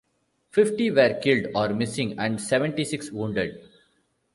Fifty were killed or missing and seventy-six wounded.